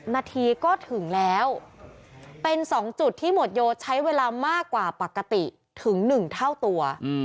นาทีก็ถึงแล้วเป็น๒จุดที่หมวดโยใช้เวลามากกว่าปกติถึง๑เท่าตัว